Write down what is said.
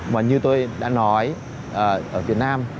mà như tôi đã nói ở việt nam